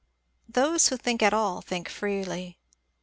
Those who think at all think freely.